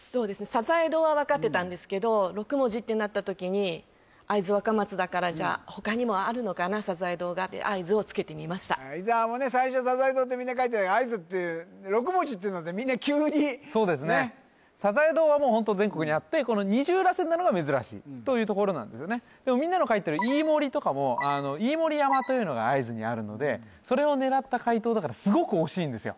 さざえ堂は分かってたんですけど６文字ってなった時に会津若松だからじゃあ他にもあるのかなさざえ堂がで会津をつけてみました伊沢もね最初さざえ堂ってみんな書いて会津って６文字っていうのでみんな急にねっそうですねというところなんですよねでもみんなの書いてる飯盛とかも飯盛山というのが会津にあるのでそれを狙った解答だからすごく惜しいんですよ